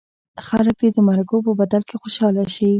خلک دې د مرکو په بدل کې خوشاله شي.